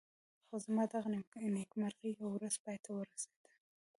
خو زما دغه نېکمرغي یوه ورځ پای ته ورسېده.